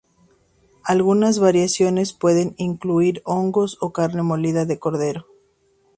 Algunas variaciones pueden incluir hongos o carne molida de cordero.